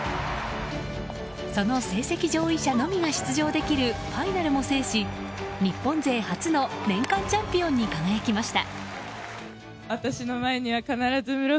その成績上位者のみが出場できるファイナルも制し日本勢初の年間チャンピオンに輝きました。